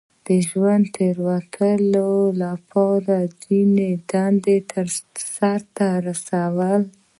• د ژوند تېرولو لپاره یې ځینې دندې سر ته رسولې.